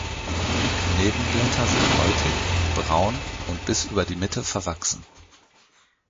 Die Nebenblätter sind häutig, braun und bis über die Mitte verwachsen.